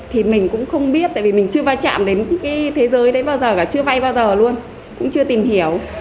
thì mình cũng không biết tại vì mình chưa vai trạm đến thế giới đấy bao giờ cả chưa vai bao giờ luôn cũng chưa tìm hiểu